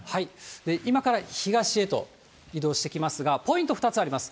今から東へと移動してきますが、ポイント２つあります。